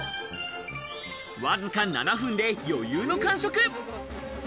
わずか７分で余裕の完食。